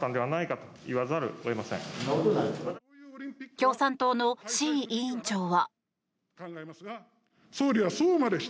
共産党の志位委員長は。